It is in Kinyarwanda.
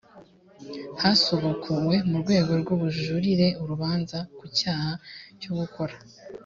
hasubukuwe mu rwego rw ubujurire urubanza ku cyaha cyo gukora